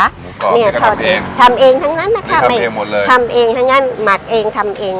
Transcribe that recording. หมูกรอบเนี้ยก็ทำเองทำเองทั้งนั้นนะคะทำเองทั้งนั้นหมักเองทำเอง